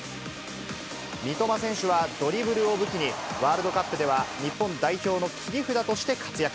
三笘選手はドリブルを武器に、ワールドカップでは日本代表の切り札として活躍。